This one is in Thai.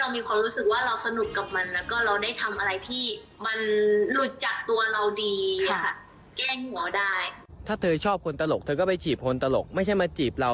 มันก็เป็นอีกโลกหนึ่งที่เรามีความรู้สึกว่าเราสนุกกับมัน